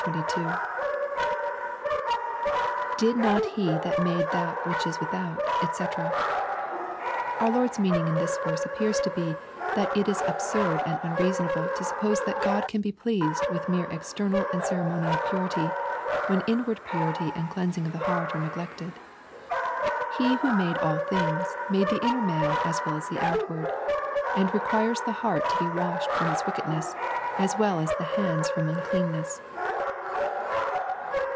[Did not he that made that which is without^ tfec] Our Lord's meaning in this verse appears to be that ifis absurd and unrea sonable to suppose that God can be pleased with mere external and ceremonial purity, while inward purity and cleansing of the heart are neglected. He who made all things, made the inntT man as well as the outward, and requires the heart to be washed from its wickedness, as well as the hands from unclean ness.